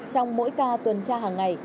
trong mỗi ca tuần tra hàng ngày